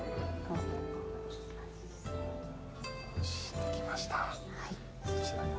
できました。